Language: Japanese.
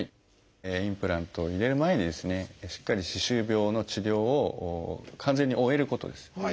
インプラントを入れる前にですねしっかり歯周病の治療を完全に終えることです。